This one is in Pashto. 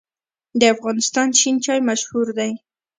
د افغانستان شین چای مشهور دی